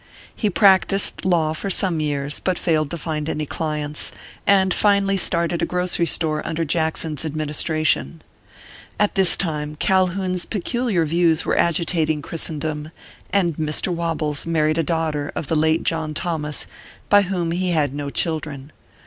He practised law for some years, but failed to find any clients, and finally started a grocery store under Jackson s admin istration. At this time, Calhoun s peculiar views were agitating Christendom, and Mr. Wobbles mar ried a daughter of the late John Thomas, by whom he had no children.